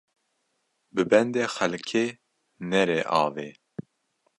Bi bendê xelkê nere avê